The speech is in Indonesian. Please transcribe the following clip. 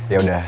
ya udah deh